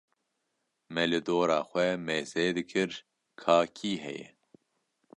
me li dora xwe mêzedikir ka kî heye.